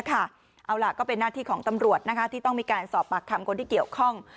เอาล่ะก็เป็นหน้าที่ของตำรวจที่ต้องมีการสอบปากคำคนที่เกี่ยวข้อง